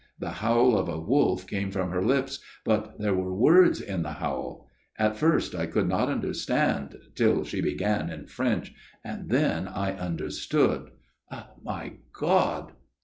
The howl of a wolf came from her lips, but there were words in the howl. At first I could not understand, till she began in French and then I understood My God